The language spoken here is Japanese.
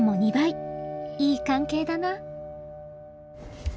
いい関係だな。